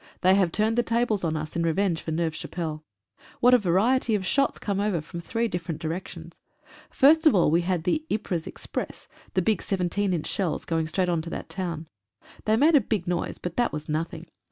They have turned the tables on us in revenge for Neuve Chapelle. What a variety of shots came over from three different directions. First of all we had the "Ypres Express" — the big 17 inch shells going straight on to that town. They made a big noise, but that was nothing.